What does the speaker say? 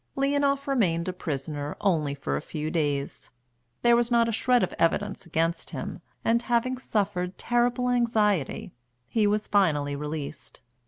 Leonoff remained a prisoner only for a few days; there was not a shred of evidence against him, and, having suffered terrible anxiety, he was finally released.